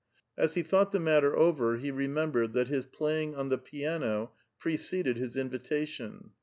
As he thought the matter over he remembered that his i)laying on the piano preceded his invitation.